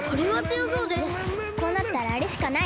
よしこうなったらあれしかない！